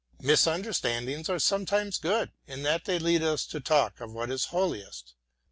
Misunderstandings are sometimes good, in that they lead us to talk of what is holiest.